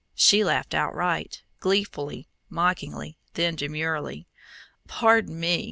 She laughed outright, gleefully, mockingly, then, demurely: "Pardon me!